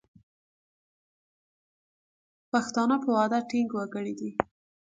پښتانه په وعده ټینګ وګړي دي.